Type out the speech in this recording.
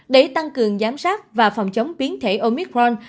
để tăng cường giám sát và phòng chống biến thể omicron